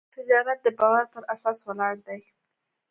تجارت د باور په اساس ولاړ دی.